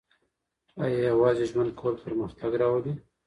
آیا یوازې ژوند کول پرمختګ راولي؟